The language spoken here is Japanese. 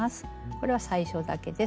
これは最初だけです。